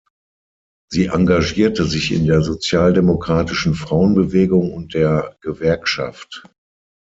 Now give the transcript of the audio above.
Sie engagierte sich in der sozialdemokratischen Frauenbewegung und der Gewerkschaft.